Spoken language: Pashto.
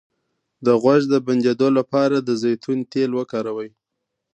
د غوږ د بندیدو لپاره د زیتون تېل وکاروئ